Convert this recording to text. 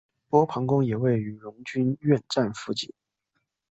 波旁宫也位于荣军院站附近。